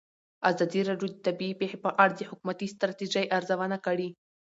ازادي راډیو د طبیعي پېښې په اړه د حکومتي ستراتیژۍ ارزونه کړې.